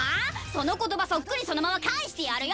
その言葉そっくりそのまま返してやるよ！